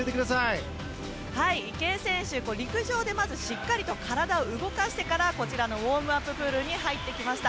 まず池江選手、陸上で体を動かしてからこちらのウォームアッププールに入ってきました。